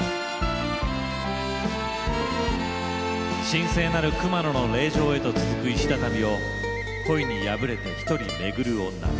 神聖なる熊野の霊場へと続く石畳を恋に破れて１人巡る女。